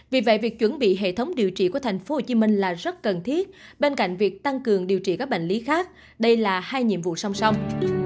vì vậy việc chuẩn bị hệ thống điều trị của tp hcm là rất cần thiết bên cạnh việc tăng cường điều trị các bệnh lý khác đây là hai nhiệm vụ song song